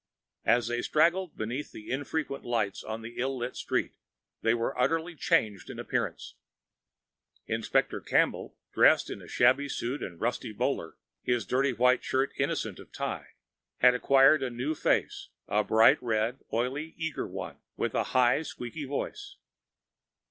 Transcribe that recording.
As they straggled beneath the infrequent lights of the ill lit street, they were utterly changed in appearance. Inspector Campbell, dressed in a shabby suit and rusty bowler, his dirty white shirt innocent of tie, had acquired a new face, a bright red, oily, eager one, and a high, squeaky voice.